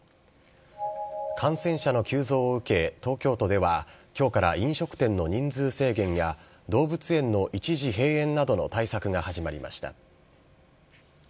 感染者の急増を受け、東京都では、きょうから飲食店の人数制限や、動物園の一時閉園などの対策が始まりました。